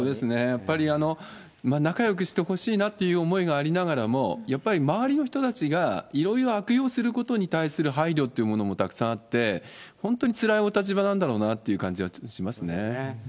やっぱり仲よくしてほしいなという思いがありながらも、やっぱり周りの人たちが、いろいろ悪用することに対する配慮というものもたくさんあって、本当につらいお立場なんだろうなという感じはしますね。